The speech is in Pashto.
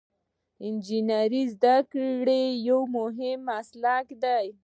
انجنیری د زده کړې یو مهم مسلک دی.